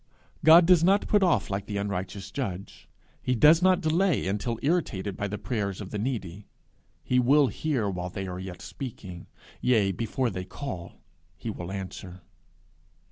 God does not put off like the unrighteous judge; he does not delay until irritated by the prayers of the needy; he will hear while they are yet speaking; yea, before they call he will answer.